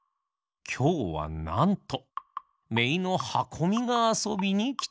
きょうはなんとめいのはこみがあそびにきています。